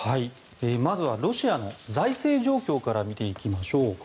まずはロシアの財政状況から見ていきましょう。